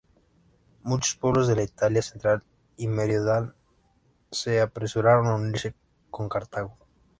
Muchos pueblos de la Italia central y meridional se apresuraron a unirse con Cartago.